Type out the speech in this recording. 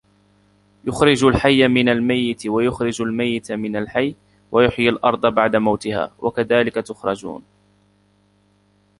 يُخرِجُ الحَيَّ مِنَ المَيِّتِ وَيُخرِجُ المَيِّتَ مِنَ الحَيِّ وَيُحيِي الأَرضَ بَعدَ مَوتِها وَكَذلِكَ تُخرَجونَ